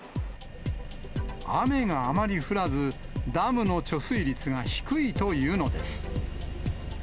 雨があまり降らず、ダムの貯水率が低いというのです。